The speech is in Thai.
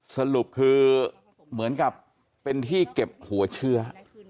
สรุปคือเหมือนกับเป็นที่เก็บหัวเชื้อ